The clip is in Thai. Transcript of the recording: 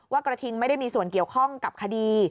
กระทิงไม่ได้มีส่วนเกี่ยวข้องกับคดี